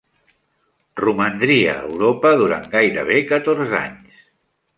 Romandria a Europa durant gairebé catorze anys.